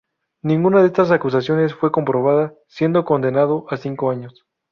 Ninguna de estas acusaciones fue comprobada, siendo condenado a cinco años.